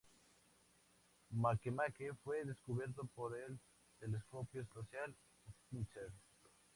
Makemake fue descubierto por el telescopio espacial Spitzer.